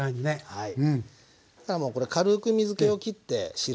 はい。